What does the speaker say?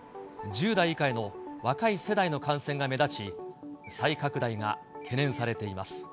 １０代以下の若い世代の感染が目立ち、再拡大が懸念されています。